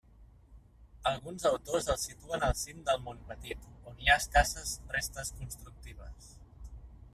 Alguns autors el situen al cim del Montpetit, on hi ha escasses restes constructives.